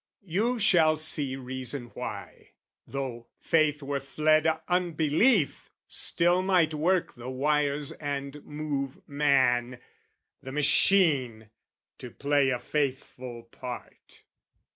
You shall see reason why, though faith were fled, Unbelief still might work the wires and move Man, the machine, to play a faithful part.